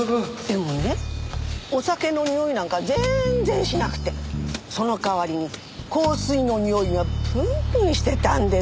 でもねお酒のにおいなんか全然しなくてその代わりに香水のにおいがプンプンしてたんですよ。